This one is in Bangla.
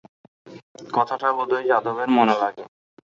কথাটা বোধ হয় যাদবের মনে লাগে।